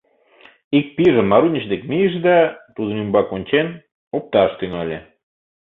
Ик пийже Марунич дек мийыш да, тудын ӱмбак ончен, опташ тӱҥале.